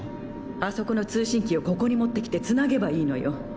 あそこの通信機をここに持ってきてつなげばいいのよ。